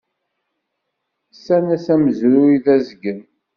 Ssan-as amezruy d asgen.